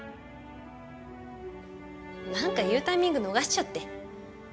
なんか言うタイミング逃しちゃって。